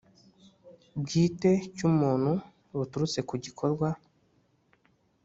Bwite Cy Umuntu Buturutse Ku Gikorwa